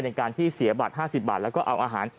ในการที่เสียบัตร๕๐บาทแล้วก็เอาอาหาร